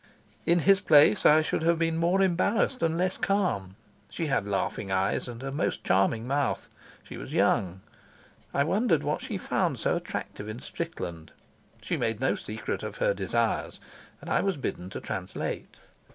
In his place I should have been more embarrassed and less calm. She had laughing eyes and a most charming mouth. She was young. I wondered what she found so attractive in Strickland. She made no secret of her desires, and I was bidden to translate.